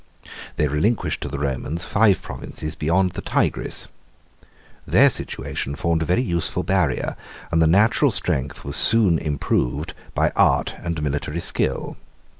II. They relinquished to the Romans five provinces beyond the Tigris. 79 Their situation formed a very useful barrier, and their natural strength was soon improved by art and military skill.